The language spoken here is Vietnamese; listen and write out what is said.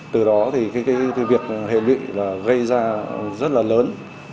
từ đó thì việc hệ lụy gây ra rất là lớn